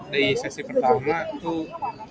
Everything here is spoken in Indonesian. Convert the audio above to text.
dari sesi pertama tuh